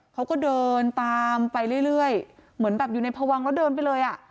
เขาก็เดินตามไปเรื่อยเหมือนแบบอยู่ในพวังแล้วเดินไปเลยอ่ะ